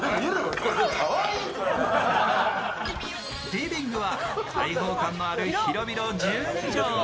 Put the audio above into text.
リビングは開放感のある広々１２畳。